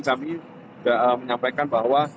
kami menyampaikan bahwa